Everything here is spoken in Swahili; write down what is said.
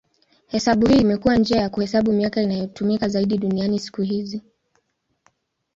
Hesabu hii imekuwa njia ya kuhesabu miaka inayotumika zaidi duniani siku hizi.